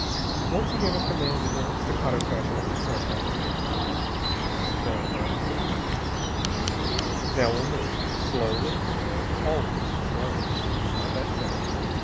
Once he gave a command in the staccato fashion of a terrified man. Bell nodded grimly. "Now we'll move. Slowly, Ribiera! Always slowly.... Ah! That's better!